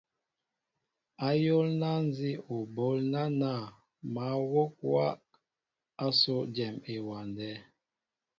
Ayólná nzí o ɓoól nánȃ mă wóʼakwáʼ ásó éjem ewándέ.